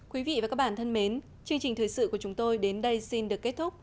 quý vị và các bạn thân mến chương trình thời sự của chúng tôi đến đây xin được kết thúc